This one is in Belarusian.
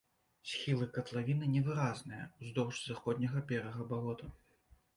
Схілы катлавіны невыразныя, уздоўж заходняга берага балота.